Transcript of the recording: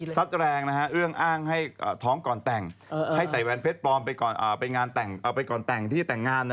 ซัดแรงเรื่องอ้างให้ท้องก่อนแต่งให้ใส่แวนเพชรปลอมไปงานเอาไปก่อนแต่งที่จะแต่งงาน